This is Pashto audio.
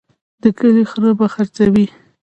د کلي خره به څروي.